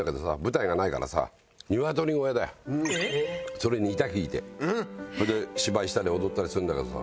それに板敷いてそれで芝居したり踊ったりするんだけどさ